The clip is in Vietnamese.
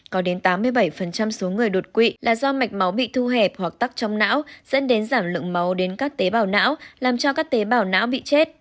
có đến tám mươi bảy số người đột quỵ là do mạch máu bị thu hẹp hoặc tắc trong não dẫn đến giảm lượng máu đến các tế bào não làm cho các tế bào não bị chết